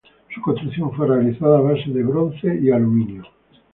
Su construcción fue realizada a base de bronce y aluminio.